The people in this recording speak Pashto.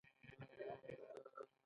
هغه د سولې او یووالي غږ پورته کړ.